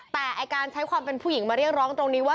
แต่การใช้ความเป็นผู้หญิงมาเรียกร้องตรงนี้ว่า